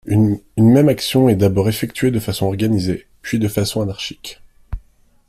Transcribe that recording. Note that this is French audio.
Une même action est d’abord effectuée de façon organisée, puis de façon anarchique.